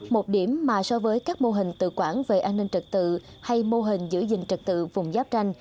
một điểm mà so với các mô hình tự quản về an ninh trật tự hay mô hình giữ gìn trật tự vùng giáp tranh